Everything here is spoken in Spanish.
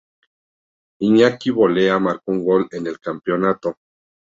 Iñaki Bolea marcó un gol en el Campeonato.